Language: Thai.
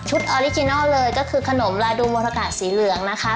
ออริจินัลเลยก็คือขนมลาดูมรกะสีเหลืองนะคะ